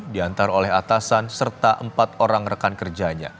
diantar oleh atasan serta empat orang rekan kerjanya